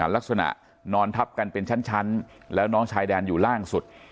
ลักษณะนอนทับกันเป็นชั้นแล้วน้องชายแดนอยู่ล่างสุด